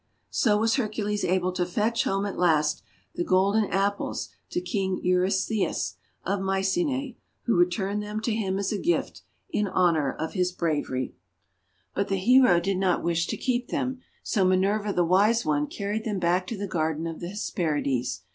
So was Hercules able to fetch home, at last, the Golden Apples to King Eurystheus of Mycenae, who returned them to him as a gift, in honour of his bravery. THE APPLE OF DISCORD 209 But the hero did not wish to keep them, so Minerva the Wise One carried them back to the Garden of the Hesperides.